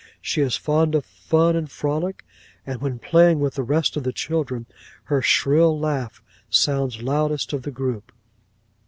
She is fond of fun and frolic, and when playing with the rest of the children, her shrill laugh sounds loudest of the group.